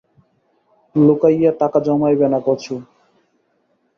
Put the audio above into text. লুকাইয়া টাকা জমাইবে না কচু!